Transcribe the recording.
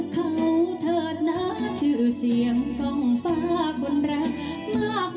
ชื่อเสียงกองฟ้าคุณรักมาก